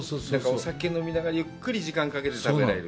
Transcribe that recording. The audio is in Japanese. お酒を飲みながらゆっくり時間をかけて食べられる。